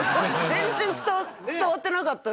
全然伝わってなかった。